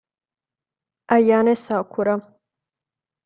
Ayane Sakura